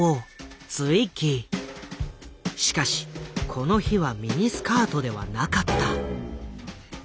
しかしこの日はミニスカートではなかった。